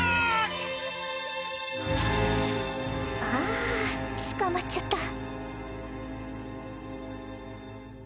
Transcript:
あつかまっちゃった。